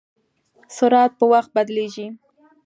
سرعت په وخت بدلېږي.